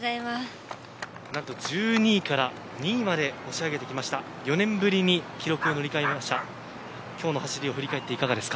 何と１２位から２位まで押し上げてきまして４年ぶりに記録を塗り替えました。